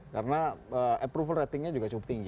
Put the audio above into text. karena approval ratingnya juga cukup tinggi